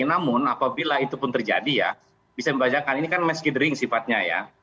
namun apabila itu pun terjadi ya bisa dibajarkan ini kan masjid ring sifatnya ya